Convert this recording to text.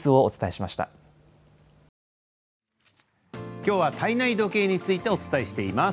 きょうは体内時計についてお伝えしています。